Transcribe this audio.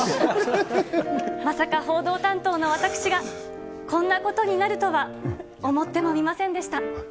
まさか報道担当の私がこんなことになるとは思ってもみませんでした。